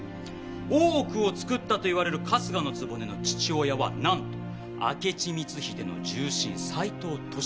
大奥を作ったといわれる春日局の父親はなんと明智光秀の重臣斎藤利三。